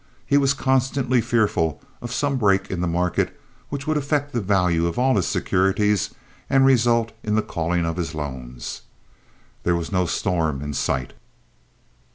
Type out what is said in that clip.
He was constantly fearful of some break in the market which would affect the value of all his securities and result in the calling of his loans. There was no storm in sight.